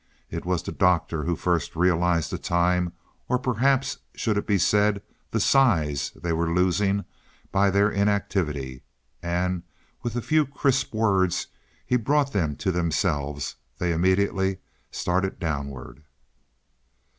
It was the Doctor who first realized the time or perhaps it should be said, the size they were losing by their inactivity; and when with a few crisp words he brought them to themselves, they immediately started downward.